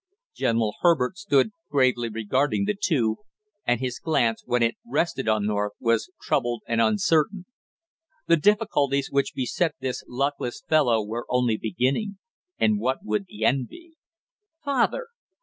General Herbert stood gravely regarding the two, and his glance when it rested on North was troubled and uncertain. The difficulties which beset this luckless fellow were only beginning, and what would the end be? "Father!"